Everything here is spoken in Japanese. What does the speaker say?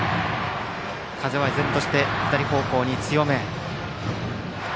風は依然として左方向に強め。